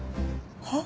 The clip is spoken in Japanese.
はっ？